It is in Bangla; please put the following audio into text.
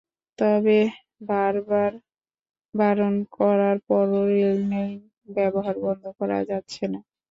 তবে বারবার বারণ করার পরও রেললাইন ব্যবহার বন্ধ করা যাচ্ছে না।